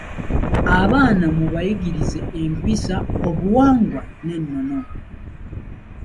Abaana mubayigirize empisa, obuwangwa n’ennono.